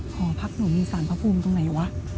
หอพักหนูมีสารพระภูมิตรงไหนวะ